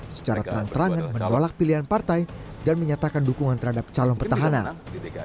secara terang terangan menolak pilihan partai dan menyatakan dukungan terhadap calon pertahanan